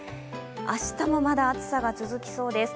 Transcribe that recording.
明日もまだ暑さが続きそうです。